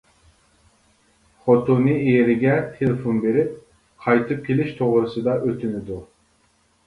خوتۇنى ئېرىگە تېلېفون بېرىپ، قايتىپ كېلىش توغرىسىدا ئۆتۈنىدۇ.